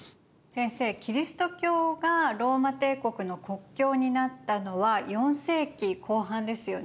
先生キリスト教がローマ帝国の国教になったのは４世紀後半ですよね。